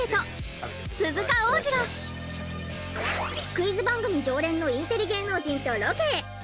クイズ番組常連のインテリ芸能人とロケへ。